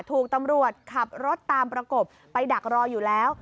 ถูกตำรวจขับรถตามประกบไปดักรออยู่แล้ว